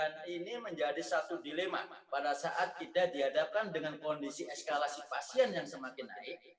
dan ini menjadi satu dilema pada saat kita dihadapkan dengan kondisi eskalasi pasien yang semakin naik